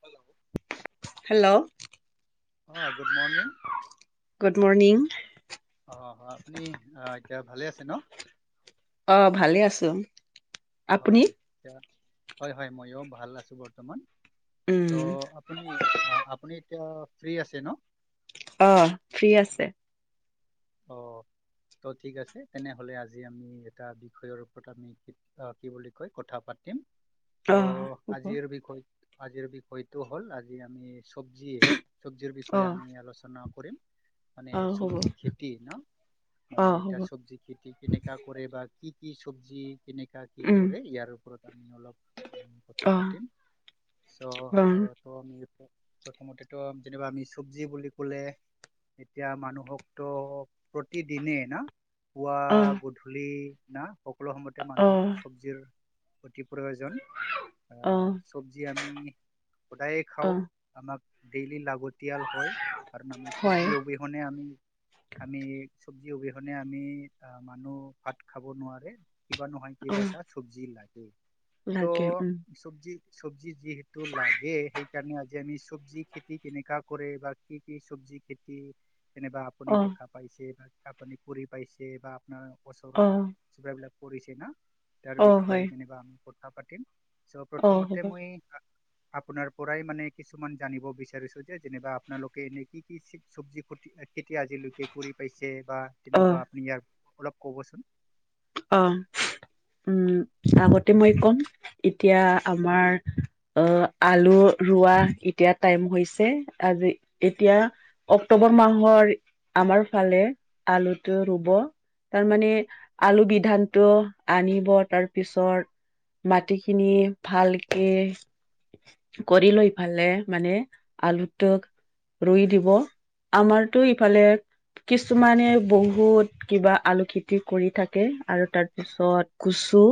হ্ হেল্ল' আহ good morning good morning অ আপুনি আহ এতিয়া ভালে আছে ন অ ভালেই আছো আপুনি হয় - হয় - হয় মইো ভাল আছো বৰ্তমান। ত' উম আপুনি - আপুনি এতিয়া ফ্ৰী আছে ন। অ, ফ্ৰী আছে। অ', ত, ঠিক আছে তেনেহলে আজি আমি এটা বিষয়ৰ ওপৰত আমি কি বুলি কয় কথা পাতিম। ত' অ, হ'ব। আজিৰ বিষয় আজিৰ বিষয়টো হ'ল আজি আমি চবজি চবজিৰ অ বিষয়ে আমি আলোচনা কৰিম। মানে অ হ'ব চবজি খেতি ন অ মানে হ'ব এতিটা চব্জি খেতি কেনেকা কৰে বা কি কি - কি চব্জি কেনেকা কি উম কৰে ইয়াৰ ওপৰত আমি অলপ কথা অ পাতিম। চ' অ ত আমি প্ৰথমতেতো যেনিবা আমি চব্জি বুলি ক'লে এতিয়া মানুহক ত, প্ৰতিদিনে না পুৱা অ গধূলি না সকলো সময়তে মানুহক চব্জিৰ অতি প্ৰয়োজন অ অ চব্জি আমি সদায়ে অ খাও আমাক ডেইলি লাগতিয়াল হয় কাৰণ আমি হয় চব্জি অবিহনে আমি - আমি চব্জি অবিহনে আমি মানুহ ভাত খাব নোৱাৰে। কিবা নহয় অ কিবা এটা চব্জি লাগে ত' লাগে উম চব্জি চব্জি যিহেতু লাগে সেইকাৰণে আজি আমি চবজি খেতি কেনেককাা কৰে বা কি - কি চবজি যি খেতি তেনেকা আপুনি অ দেখা পাইছে বা আপুনি কৰি পাইছে বা আপোনাৰ ওচৰৰ অ চপাবিলাক কৰিছে ন তাৰ অ বিষয়ে হয় যেনিবা আমি কথা পাতিম। চ' অ প্ৰথমতে হ'ব মই আপোনাৰ পৰাই মানে কিছুমান জানিব বিচাৰিছো যে যেনিবা আপোনালোকে এনে কি - কি চব্জিু খেতি আজিলৈকে কৰি পাইছে বা অ তেনেকুৱা আপুনি ইয়াৰ অলপ ক'বচোন অ উম আগতে মই ক'ম এতিয়া হয় আমাৰ অ, আলু ৰোৱা এতিয়া টাইম হৈছে আজি এতিয়া অক্টোবৰ মাহৰ আমাৰ ফালে আলুটো ৰুব তাৰমানে আলু বিধানটো আনিব তাৰপিছত মাটি কিনি ভালকে কৰি লৈফালে মানে আলুটোক ৰুই দিব। আমাৰতো ইফালে কিছুমানে বহুত কিবা আলু খেতি কৰি থাকে। আৰু তাৰ পিছত কুচু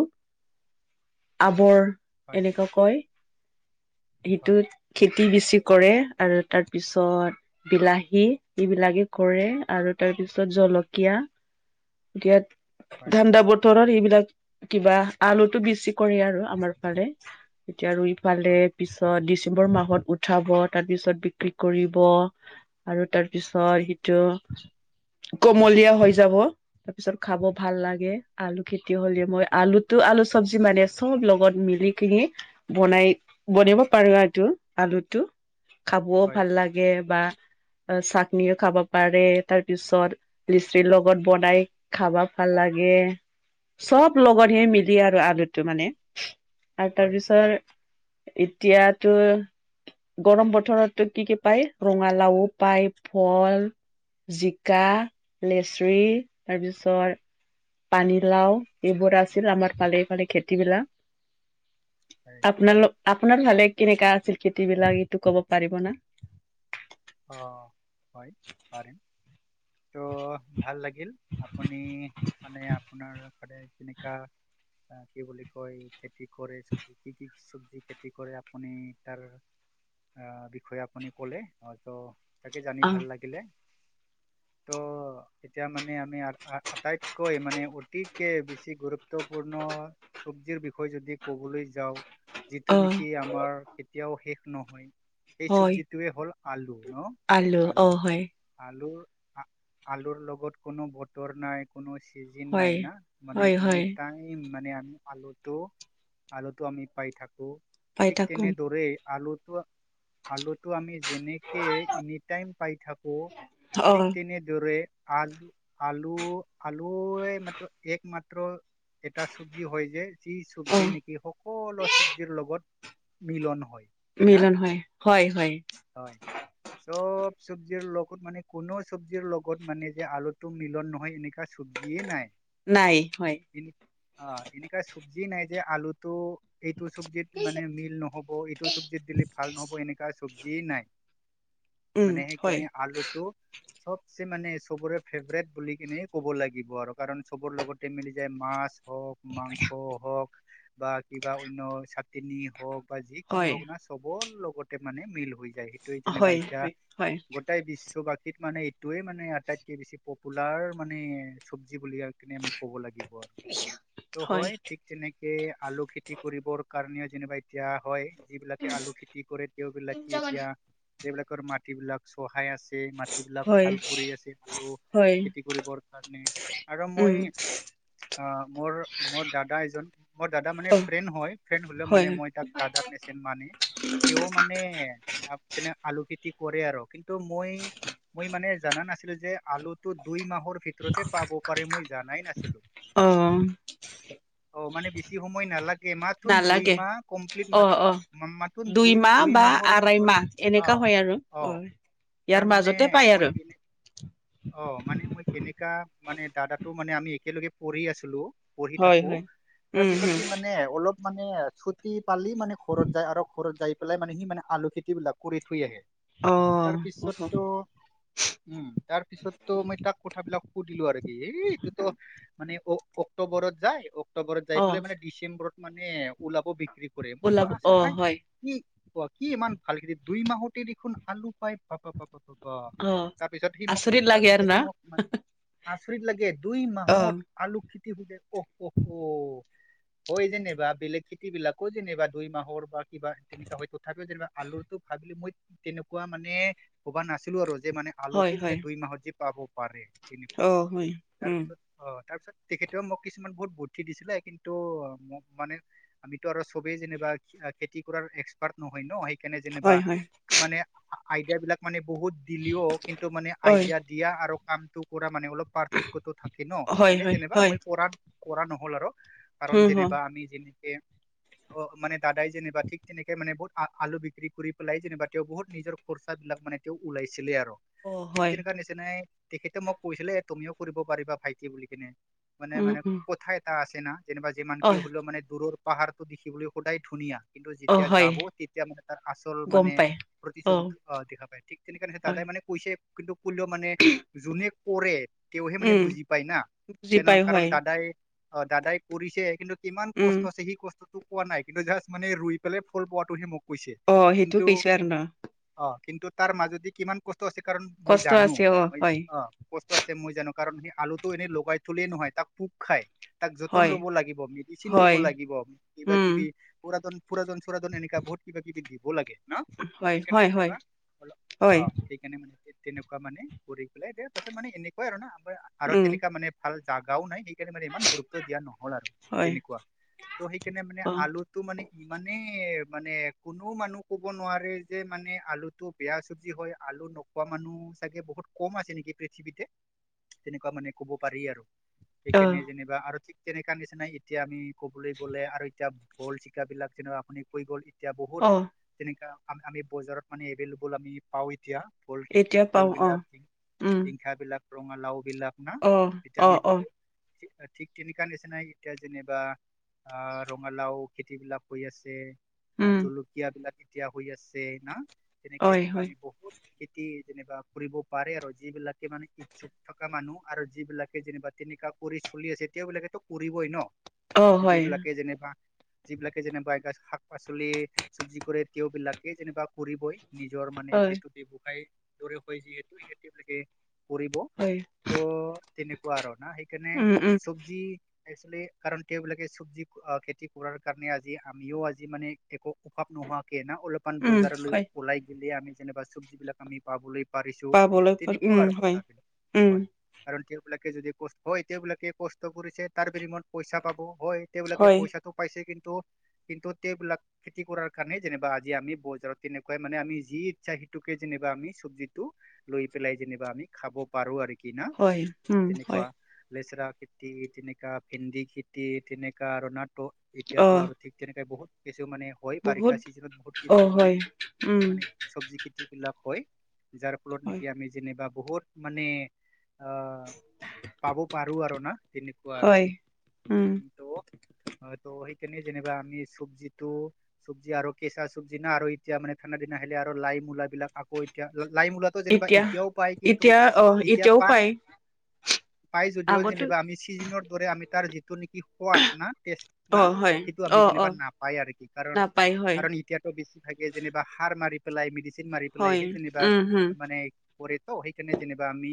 আৱৰ হয় এনেকুৱা কয় হয় সেইটোত খেতি বেছি কৰে। আৰু তাৰ পিছত বিলাহী এইবিলাকে কৰে আৰু তাৰ পিছত জলকীয়া [inaudible] ইয়াত হয় ঠাণ্ডা বতৰৰ এইবিলাক কিবা আলুতটো বেছি। কৰে আৰু আমাৰ ফালে এতিয়া আৰু ইফালে হয় পিছত ডিচেম্বৰ মাহত উঠাব তাৰপিছত বিক্ৰী কৰিব আৰু তাৰপিছত সিটো কমলীয়া হৈ যাব তাৰপিছত খাব ভাল লাগে আলু খেতি হ'লে মই আলুতটো আলু চবজি মানে আছে চব লগত মিলি কিনি বনাই বনিব পাৰো আৰুটো আলুটো খাবও হয় ভাল লাগে বা অ, চাকনিও খাবা পাৰে তাৰ পিছত লিচ্ৰিৰ লগত বনাই খাবা ভাল লাগে। চব লগতহে মিলি আৰু আলু টো মানে আৰু হয় তাৰপিছত এতিয়াতো গৰম বতৰতটো কি - কি পায় ৰঙালাও পায় ফল জিকা লেচৰি তাৰপিছত পানীলাও এইবোৰ আছিল আমাৰ ফালে - ফালে হয় খেতিবিলাক আপোনালোক - আপোনাৰ ভালে কেনেকা আছিল খেতি বিলাক এইটো ক'ব পাৰিব নে অ হয়‌ ত' ভাল লাগিল আপুনি মানে আপোনাৰ সদায় কেনেকুৱা অহ কি বুলি কয় খেতি কৰে চব্জি কি কি চব্জি যি খেতি কৰে আপুনি তাৰ আহ বিষয়ে আপুনি কলে আক তাকে জানি অ ভাল লাগিলে ত' এতিয়া মানে আমি আ আ আটাইতকৈ মানে অতিকে বেছি গুৰুত্বপূৰ্ণ -পূৰ্ণ চব্জিৰ বিষয়ে যদি ক'বলৈ যাওঁ যিটো অ নিকি আমাৰ কেতিয়াও শেষ নহয় সেই হয় চব্জিটোৱে হ'ল আলু ন অ আলু হয় আ আলু আলুৰ লগত কোনো বতৰ নাই কোনো ছিজিন হয় নাই ন মানে হয় এনি হয় টাইম মানে আলুটো আলুটো আমি পাই থাকো পাই ঠিক থাকো তেনেদৰেই আলু আলুটো আমি যেনেকে এনি টাইম পাই থাকো অ ঠিক তেনেদৰে আলু আলু আলুয়ে মাত্ৰ একমাত্ৰ এটা চব্জি হয় যে যি অ চব্জি নিকি সকলো চব্জিৰ লগত মিলন হয় মিলন হয় হয় হয় হয় চব চব্জিৰ লগত মানে কোনো চব্জিৰ লগত মানে যে আলুটো মিলন নহয় এনেকুৱা চব্জিয়ে নাই নাই হয় এ অ এনেকা চব্জি নাই যে আলুটো এইটো চব্জিত মানে মিল নহ'ব এইটো চব্জিত দিলে ভাল নহ'ব এনেকা চব্জিয়ে নাই উম মানে হয় সেইকাণে আলুটো চবচে মানে চবৰে ফেভৰেট বুলি কিনে ক'ব লাগিব আৰু কাৰণ চবৰ লগতে মিলি যায় মাছ হওক মাংস হওক বা কিবা অন্য চাটনি হওক বা যিকোনো হয় ভগনা চবৰ লগতে মানে মিল হয় যাই সেইটোৱে যেনিবা হয় এতিয়া হয় গোটেই বিশ্ব বাসী বিত মানে এইটোয়ে মানে আটাইতকে বেছি পপুলাৰ মানে চব্জি চব্জি বুলি কি আমি ক'ব লাগিব আৰু টো হয় ঠিক তেনেকে আলু খেতি কৰিবৰ কাৰণে যেনিবা এতিয়া হয় যিবিলাকে আলু খেতি কৰে তেওঁবিলাকে এতিয়া এইবিলাকৰ মাটি বিলাক চহাই আছে মাটিবিলাক হয় হয় ভাল কৰি আছে আলু হয় খেতি কৰিবৰ কাৰণে আৰু উম মই অ মোৰ মোৰ দাদা এজন মোৰ দাদা মানে অ ফ্ৰেণ্ড হয় ফ্ৰেণ্ড হলেও হয় মানে মই তাক দাদা নিচিনা মানে তেওঁ মানে আ তেনে আলু খেতি কৰে আৰ কিন্তু মই মই মানে জনা নাছিলো যে আলুটো দুই মাহ মাহৰ ভিতৰতে পাব পাৰে মই জানাই নাছিলো অ অ মানে বি বেছি সময় নালাগে এ মাথোন দুই নালাগে মাহ কমপ্লিট অ অ মা মাথোন দুই মাহ দুই বা মাহৰ আঢ়ৈ পিছত মাহ অ এনেকা হয় আৰু অ ইয়াৰ তাৰমানে মাজতে পায় মই আৰু কেনে অ মানে মই কেনেকা মানে দাদাটো মানে আমি একেলগে পঢ়ি আছিলো পঢ়ি হয় থাকো হয় উম তাৰপিছত হম কি মানে অলপ মানে চুটি পালি মানে ঘৰত যায় আৰু ঘৰত যাই পেলাই মানে সি মানে আলু খেতি বিলাক কৰি থৈ আহে অ তাৰপিছত তো অ উম তাৰ পিছত তো মই তাক কথাবিলাক সুধিলো আৰু কি এ এতোত মানে অ অক্টোবৰত যায় অক্টোবৰত যাই অ', পেলাই মানে ডিচেম্বৰত মানে ওলাব বিক্ৰী কৰে মইতো ওলাব অ আছৰি হাই হয় কি অ কি ইমান ভাল খেতি দুই মাহতে দেখোন আলু পায় পা পা পা তোতোত অ তাৰ পিছত সি মোক তে- আহ, লাগে আৰু তেখেতে না মোক মানে আচৰিত লাগে দুই অ মাহত আলু খেতি সুধে অ হয় যেনিবা বেলেগ খেতি বিলাকো যেনিবা দুই মাহৰ বা কিবা তেনেকুৱা হয় তথাপিও যেনিবা আলুৰতো খাই মই তেনেকুৱা মানে ভবা নাছিলো আৰু যে মানে হয় আলুটো মানে হয় াব পাৰে তেনেকুৱা অ হয় তাৰ উম পিছত আহ তাৰপিছত তেখেতেও মোক কিছুমান বহুত বুদ্ধি দিছিলে কিন্তু মোক মানে আমিতো আৰু চবেই যেনিবা খেতি কৰাৰ এক্সপাৰ্ট নহয় ন কেনে যেনিবা হয় হয় মানে আইডিয়া বিলাক মানে বহুত দিলিও কিন্তু মানে আইডিয়া দিয়া আৰু কামটো কৰা মানে অলপ পাৰ্থক্য়তটো থাকে ন সেইকাৰণে যেনিবা মই কৰাঢ় কৰা নহল আৰু কাৰণ যেনিবা আমি যেনেকে অ মানে দাদাই যেনিবা ঠ তেনেকৈ মানেহুত আ আলু বিক্ৰী কৰি পেলাই যেনিবা তেওঁ বহুত নিজৰ খৰচা বিলাক মানে তেওঁ ওলাইছিলে আৰু ঠিক তেনেককা নিচিনাই তেখেতে মোক কৈছিলে তুমিও কৰিব পাৰিবা ভাইটি বুলি কিনে মানে মানে কথাই এটা আছে ন যেনিবা যিমান কি হল মানে দূৰৰ পাহাৰতটো দেখিবলৈ সদায় ধুনীয়া কিন্তু যেতিয়া যাব তেতিয়া মানে তাৰ আচল গম মানে পাই প্ৰতি্বিটো অ দেখা পায় ঠিক তেনেককাে হয় দাদাই ম মানে কৈছে কিন্তু কলেও মানে যোনে কৰে তেওঁহে মানে উম বুজি পায় না বুজি পাই কাৰণ হয় দাদাই অ দাদাই কৰিছে কিন্তু কিমান উম কষ্ট আছে সি কষ্ট কোৱা নাই কিন্তু জা মানে ৰুই পেলাই ফুল পোৱাটোহে মোক কৈছে অ সেইটো কিন্তু কৈছো আৰু ন অ কিন্তু তাৰ মাজদি কিমান কষ্ট আছে কাৰণ মই কষ্ট জানো আছে অ মই হয় অ কষ্ট আছে মই জানো কাৰণ সেই আলুটো এনেই লগাই থুল নহয় তাক পোকোক খায় তাক যতন হয় ল'ব লাগিব মেডিচিন দিব হয় লাগিব কিবা উম কিবি পুৰাতন পুৰান চৰান এনেকা বহু কিব কিবি দিব লাগে ন হয় সেইকাৰণে হয় হয় যেনিবা অল হয় সেইকাৰণে মানে তেনেকুৱা মানে কৰি পেলাই দিয়াৰ পাছত মানে এনেকুৱ আৰু ন আাৰ আৰু উম তেনেকুৱা মানে ভাল জাগাও নাই মানে ইমান গুৰুত্ব দিয়া নহল আৰু হয় তেনেকুৱা ত' সেইকাৰণে মানে অ আলুটো মানে ই মানে মানে কোননেও মানুহ কব নোৱাৰে যে মানে আলুতটো বেয়া চব্জি হয় আল নোকোৱা মানুহ চাগে বহুত কম আছে নেকি পৃথিৱীতে তেনেকুৱা মানে ক'ব পাৰি আৰু অ সেইকাৰণে যেনিবা আৰু ঠিক তেনেকাা নিচিনা এতিয়া আমি কবলৈ গ'লে আৰু এতিয়া হল চিকাবলাক যেনে আপুনি কৈ গ'ল এতিয়া বহুত অ তেনেককাা আমি বজাৰত মানে এভেইলেবল আমি পাওঁ এতিয়া ভোল খেতি এতিয়া পাও আহ উম ৰঙাালাও বিলভ না অ অ ভিটামিন অ ঠিক তেনেকাা নিচনাাই এতিয়া যেনিবা আ ৰঙালাও খেতিবিলাক হৈ আছে বা উম জলকীয়া বিলাক এতিয়া হৈ আছে না তেনেকাই হয় যেনিবা হয় আমি বহুত খেতি যেনিবা কৰিব পাৰে আৰু যিবিলাকে মানে ইচ্ছুক থকা মানুহ আৰু যিব বিিলাকে যেনিবা তেনেককাা কৰি চলি আছে এতিয়া বিলাকেো কৰিবই ন অ হয় যিবিলাকে যেনিবা যিবিলাকে যেনিবা শাক পাচলি চব্জি কৰে তেওঁবলাকে যেনিবা কৰিবই নিজৰ মানে হয় যিহেতু ব্য্ৱসায় দৰে হয় যিহেতু সিহঁতিিলে কৰিবব হয় ত' তেনেকুৱা আৰু না সেইকাৰণে উম উম চব্জি কাৰণ তেওঁবিলাকে চব্জি খেতি কৰাৰ কাৰণে আজি আমিও আজি মানে একো অভাৱ নোহোৱাকে অলপমান উম বজাৰলৈ হয় ওলাই গিললে আমি যেনা চব্জ বিিলাক আমি পাবলৈ পাৰিছো পাবলৈ তেনেকুৱা উম আৰু কথ হয় বিিলাক উম হয় কাৰ তেওঁবিলাক যদি কষ্ট হয় এতিবলাকে কষ্ট কৰিছে তাৰ বিৰিমত পইচা পাব হয় তেওঁলোকে হয় পইচাটো পাইছে কিন্তু কিন্তু সেবিলাক খেতি কৰাৰ কাৰণে যেনিবা আজি আমি বজাৰত তেনেকুৱাই মানে আমি যি ইচ্ছা সেইটোকে যেনিবা আমি চবজি টো লৈ পেলাই যেনিবা আমি খাব পাৰো আৰু কিনা হয়, উম, হয়, তেনেকুৱা লেচৰা খেতি তেনেকা ভেন্দি খেতি তেনেকা আৰু নাটো এতিয়াতো অ', আৰু ঠিক তেনেকাই বহুত কিছু মানে হয় বহুত বাৰিষা চিজনত বহুত অ', কিছু মানে হয়, উম, মানে চব্জি খেতি বিলাক হয় যাৰ ফলত হয়, নেকি আমি যেনিবা বহুত মানে অহ পাব পাৰো আৰু না তেনেকুৱা আৰু হয়, উম, [unintelligible] যেনিবা আমি চব্জিটোোট চবজি আৰু কেঁচা চব্জি না আৰু এতিয়া মানে ঠাণ্ডা দিনা আহিলে আৰু লাইট মূলাবিলাক আকৌ এতিয়া লাই মূলাটো যেনিবা এতিয়া এতিয়াও পায় কিন্তু এতিয়া অ', এতিয়া এতিয়াও পায় [inaudible] পাই যদিও আগতো যেনিবা আমি চিজনৰ দৰে আমি তাৰ নেকি সোৱাদ না টেষ্ট না অ', হয়, সেইটো আমি অ', যেনিবা অ', নাপায় আৰু কি কাৰণ নাপায় হয়, কাৰণ এতিয়াতো বেছিভাগে যেনিবা সাৰ মাৰি পেলাই মেডচিন মাৰি পেলাই হয়, সেই যেনিবা উম, হম, মানে কাৰেটো আমি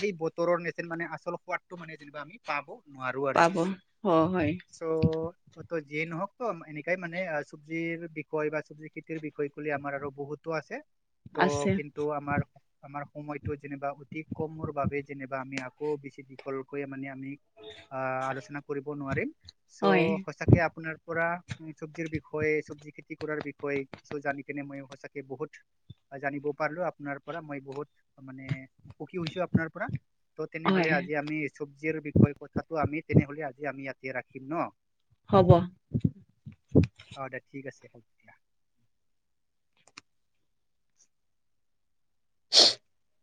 সেই বতৰৰ নেচেন মানে আচল সোৱাদটো মানে যেনিবা আমি পাব নোৱাৰো আৰু পাব কি অ', হয়, চ' ত যিয়ে নহওক ত এনেকাই মানে চব্জিৰ বিষয় বা চব্জি খেতিৰ বিষয় কলে আমাৰ আৰু বহুতো আছে ত' আছে কিন্তু আমাৰ আমাৰ সময়তটো যেনিবা অতি কমৰ বাবে যেনিবা আমি আকৌ বেছি দিঘোলকৈয় মানে আমি আহ আলোচনা কৰিব নোৱাৰিম হয়, চ' সঁচাকে আপোনাৰ পৰা চব্জিৰ বি বিষেয় চব্জি খেতি কৰাৰ বিষয়ে কিছু জানি কেনে মই সঁচাকে বহুত জানিব পাৰিলো আপোনাৰ পৰা মই বহুত মানে সুখী হৈছো আপোনাৰ পৰা ত' হয়, তেনেহ'লে আজি আমি চব্জিৰ বিষয়ে কথাটো আমি তেনেহলে আজি আমি ইয়াতে ৰাখিম ন হ'ব। অ দে ঠিক আছে হ'ক দা [unintelligible]